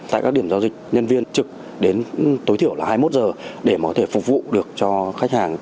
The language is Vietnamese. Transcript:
tại các điểm giao dịch nhân viên trực đến tối thiểu là hai mươi một giờ để có thể phục vụ được cho khách hàng